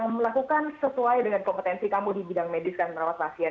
melakukan sesuai dengan kompetensi kamu di bidang medis dan merawat pasien